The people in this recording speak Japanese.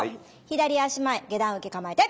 左足前下段受け構えて。